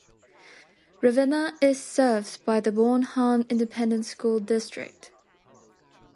Ravenna is served by the Bonham Independent School District.